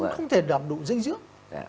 không thể đạt đủ dinh dưỡng